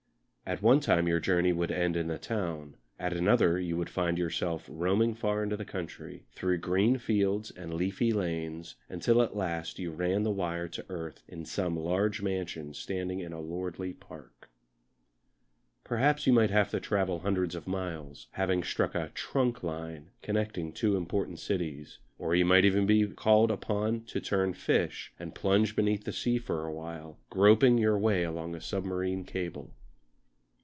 At one time your journey would end in the town, at another you would find yourself roaming far into the country, through green fields and leafy lanes until at last you ran the wire to earth in some large mansion standing in a lordly park. Perhaps you might have to travel hundreds of miles, having struck a "trunk" line connecting two important cities; or you might even be called upon to turn fish and plunge beneath the sea for a while, groping your way along a submarine cable.